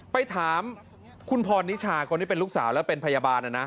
ไปถามคุณพรนิชาคนที่เป็นลูกสาวและเป็นพยาบาลนะนะ